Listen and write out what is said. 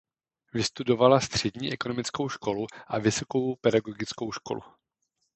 Vystudovala střední ekonomickou školu a vysokou pedagogickou školu.